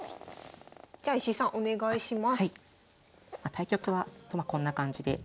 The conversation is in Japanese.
対局はまあこんな感じで。